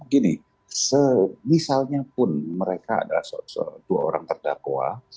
gini misalnya pun mereka ada dua orang terdakwa